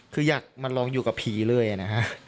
คืออยากมาลองอยู่กับผีเลยนะฮะ